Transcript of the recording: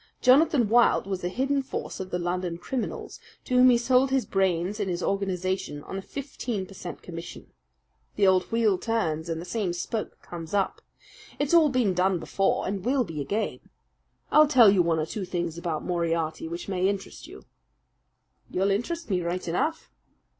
Jonathan Wild was the hidden force of the London criminals, to whom he sold his brains and his organization on a fifteen per cent. commission. The old wheel turns, and the same spoke comes up. It's all been done before, and will be again. I'll tell you one or two things about Moriarty which may interest you." "You'll interest me, right enough."